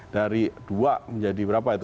dari dua menjadi berapa itu sembilan belas